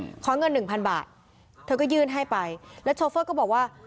ขอเงินหนึ่งพันบาทเธอก็ยื่นให้ไปแล้วโชเฟอร์ก็บอกว่า